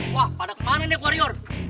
wah pada kemana nih warrior